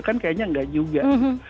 kan kayaknya nggak juga